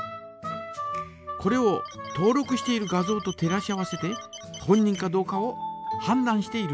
これを登録している画像と照らし合わせて本人かどうかをはんだんしているんです。